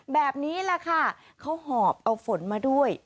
แบบนี้แหละค่ะเขาหอบเอาฝนมาด้วย